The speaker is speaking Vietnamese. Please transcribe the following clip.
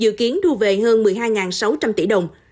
dự kiến thu về hơn một mươi hai sáu trăm linh tỷ đồng